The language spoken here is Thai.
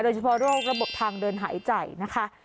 เฉพาะโรคระบบทางเดินหายใจนะคะ